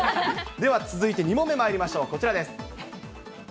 では続いて２問目まいりましょう。